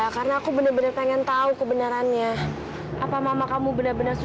haris tuh kemana sih